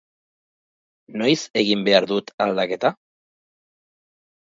Noiz egin behar dut aldaketa?